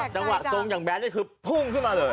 จังหวะตรงอย่างแบนเลยคึกฟุ้งขึ้นมาเลย